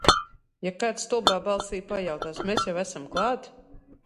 Ja kāds stulbā balsī pajautās: mēs jau esam klāt?